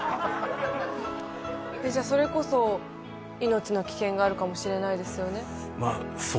えっじゃあそれこそ命の危険があるかもしれないですよね。